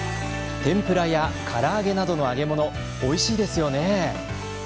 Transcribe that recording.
天ぷらやから揚げなどの揚げ物おいしいですよね。